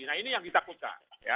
nah ini yang kita buta